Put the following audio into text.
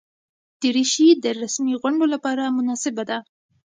دریشي د رسمي غونډو لپاره مناسبه ده.